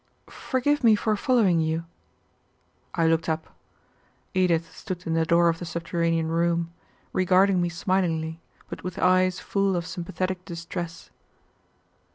"Forgive me for following you." I looked up. Edith stood in the door of the subterranean room, regarding me smilingly, but with eyes full of sympathetic distress.